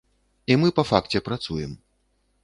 І мы па факце працуем.